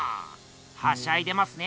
はしゃいでますね。